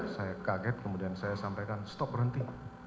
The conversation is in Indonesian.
saya kaget kemudian saya sampaikan stop berhenti